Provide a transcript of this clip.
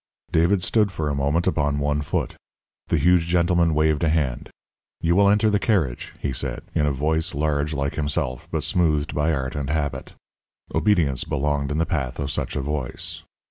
David stood for a moment upon one foot. The huge gentleman waved a hand. "You will enter the carriage," he said, in a voice large, like himself, but smoothed by art and habit. Obedience belonged in the path of such a voice.